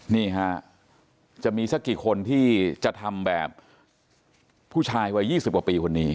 นี่ฮะจะมีสักกี่คนที่จะทำแบบผู้ชายวัย๒๐กว่าปีคนนี้